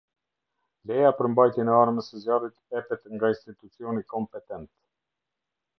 Leja për mbajtjen e armës së zjarrit epet nga Institucioni kompetent.